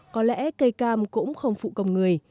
có lẽ cây cam cũng không phụ công người